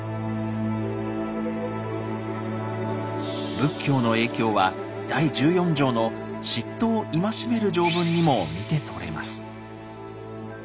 仏教の影響は第１４条の嫉妬を戒める条文にも見て取れます。